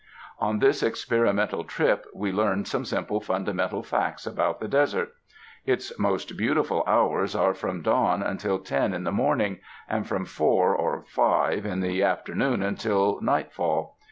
On this experimental trip we learned some simple fundamental facts about the desert. Its most beau tiful hours are from dawn until ten in the morning, and from four or five in the afternoon until night fall.